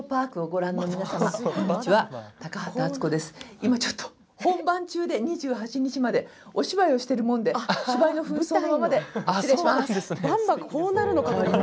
今ちょっと本番中で２８日までお芝居をしているもので芝居のふん装のままで失礼します。